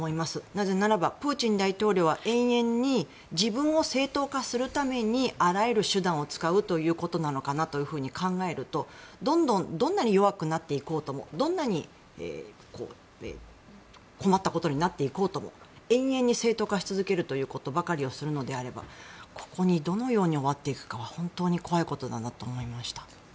なぜならばプーチン大統領は永遠に自分を正当化するためにあらゆる手段を使うということなのかなと考えるとどんなに弱くなっていこうともどんなに困ったことになっていこうとも永遠に正当化し続けるということばかりをするのであればここにどのように終わっていくかは本当に怖いことだと思いました。